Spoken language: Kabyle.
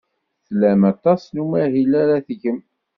Tlam aṭas n umahil ara tgem.